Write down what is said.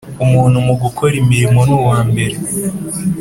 Umuntu mu gukora imirimo nuwanbere.